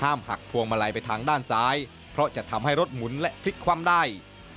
หักพวงมาลัยไปทางด้านซ้ายเพราะจะทำให้รถหมุนและพลิกคว่ำได้